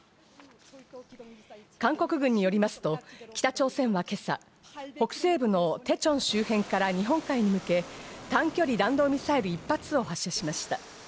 韓国軍によりますと、北朝鮮は今朝、北西部のテチョン周辺から日本海に向け、短距離弾道ミサイル１発を発射しました。